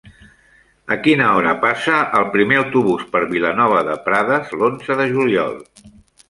A quina hora passa el primer autobús per Vilanova de Prades l'onze de juliol?